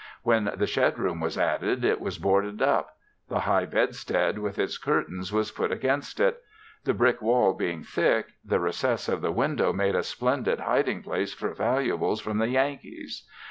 When the shed room was added, it was boarded up; the high bedstead with its curtains was put against it; the brick wall being thick, the recess of the window made a splendid hiding place for valuables from the Yankees.